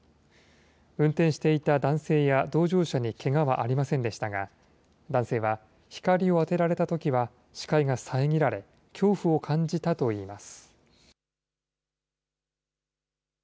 運転していた男性や同乗者にけがはありませんでしたが、男性は、光を当てられたときは視界が遮られ、恐怖を感じたといいます。